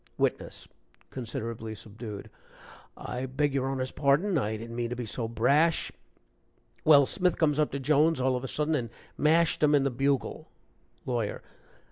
WITNESS. (Considerably subdued.) "I beg your Honor's pardon I didn't mean to be so brash. Well, Smith comes up to Jones all of a sudden and mashed him in the bugle " LAWYER.